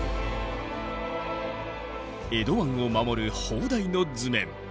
江戸湾を守る砲台の図面。